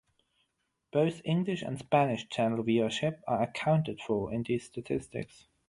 Both English and Spanish channel viewership are accounted for in these statistics.